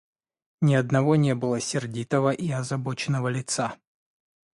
Ни одного не было сердитого и озабоченного лица.